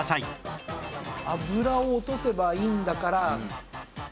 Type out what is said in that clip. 脂を落とせばいいんだから。